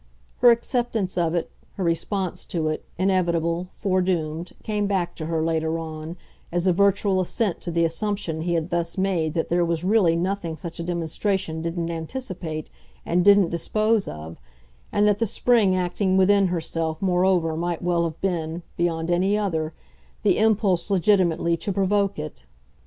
Her acceptance of it, her response to it, inevitable, foredoomed, came back to her, later on, as a virtual assent to the assumption he had thus made that there was really nothing such a demonstration didn't anticipate and didn't dispose of, and that the spring acting within herself moreover might well have been, beyond any other, the impulse legitimately to provoke it.